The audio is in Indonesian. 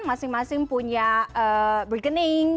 masing masing punya berkening